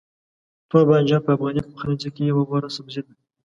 توربانجان په افغاني پخلنځي کې یو غوره سبزی دی.